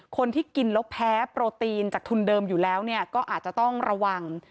คนที่กินแล้วแพ้โปรตีนจากทุนเดิมอยู่แล้วก็อาจจะต้องระวัง